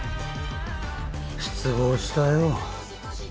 失望したよ。